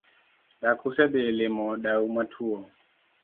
Dak usedhi limo dau matwo?